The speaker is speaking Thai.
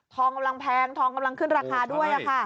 กำลังแพงทองกำลังขึ้นราคาด้วยค่ะ